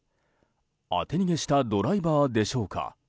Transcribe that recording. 当て逃げしたドライバーでしょうか。